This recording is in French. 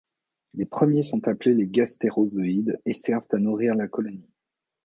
Les premiers sont appelés les gastérozoïdes et servent à nourrir la colonie.